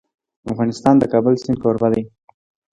افغانستان د د کابل سیند کوربه دی.